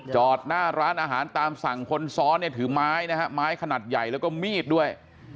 จอดหน้าร้านอาหารตามสั่งคนซ้อนเนี่ยถือไม้นะฮะไม้ขนาดใหญ่แล้วก็มีดด้วย